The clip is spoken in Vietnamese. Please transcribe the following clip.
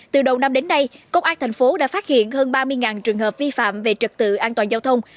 từ đầu năm đến nay công an thành phố đã phát hiện hơn ba mươi trường hợp vi phạm về trật tự an toàn giao thông